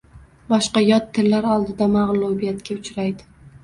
Boshqa yot tillar oldida magʻlubiyatga uchraydi